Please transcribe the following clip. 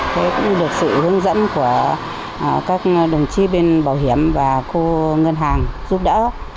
thế cũng được sự hướng dẫn của các đồng chí bên bảo hiểm và cô ngân hàng giúp đỡ